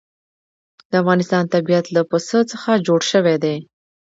د افغانستان طبیعت له پسه څخه جوړ شوی دی.